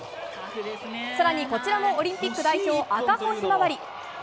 更にこちらもオリンピック代表赤穂ひまわり。